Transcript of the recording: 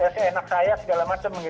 seenak saya segala macam